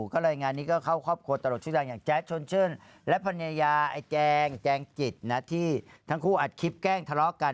ก็เลยงานนี้ก็เข้าครอบครัวตลกชื่อดังอย่างแจ๊ดชนชื่นและภรรยาไอ้แจงแจงจิตนะที่ทั้งคู่อัดคลิปแกล้งทะเลาะกัน